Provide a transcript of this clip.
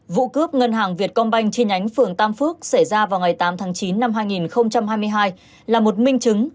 vụ cướp ngân hàng việt công banh chi nhánh phường tam phước xảy ra vào ngày tám tháng chín năm hai nghìn hai mươi hai là một minh chứng